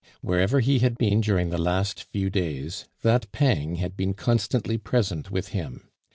Wherever he had been during the last few days, that pang had been constantly present with him.